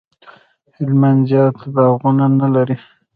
هلمند زیات باغونه نه لري